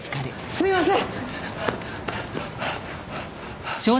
すいません！